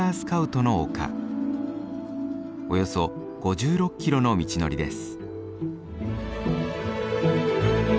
およそ５６キロの道のりです。